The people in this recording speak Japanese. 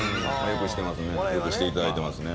よくしていただいてますね。